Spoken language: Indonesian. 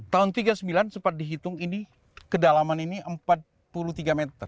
tahun tiga puluh sembilan sempat dihitung ini kedalaman ini empat puluh tiga meter